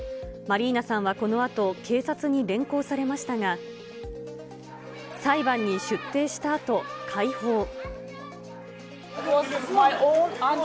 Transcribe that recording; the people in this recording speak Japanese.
マリーナさんはこのあと、警察に連行されましたが、裁判に出廷したあと、解放。